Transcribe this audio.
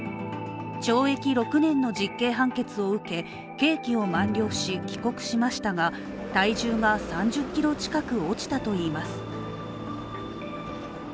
懲役６年の実刑判決を受け刑期を満了し帰国しましたが体重が３０ｋｇ近く落ちたといいます。